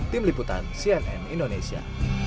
tim liputan cnn indonesia